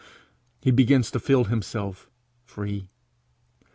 He begins to feel himself free.